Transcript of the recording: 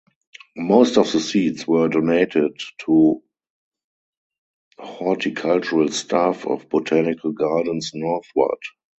Most of the seeds were donated to horticultural staff of botanical gardens northward.